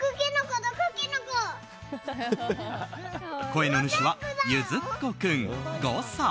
声の主はゆづっこ君、５歳。